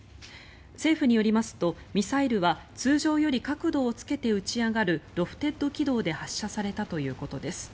政府によりますとミサイルは通常より角度をつけて打ち上がるロフテッド軌道で発射されたということです。